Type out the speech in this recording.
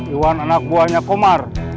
iwan anak buahnya komar